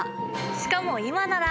しかも今なら！